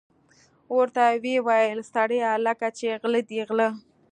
ورته ویې ویل: سړیه لکه چې غله دي غله.